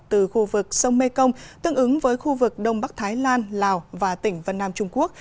từ khu vực sông mekong tương ứng với khu vực đông bắc thái lan lào và tỉnh vân nam trung quốc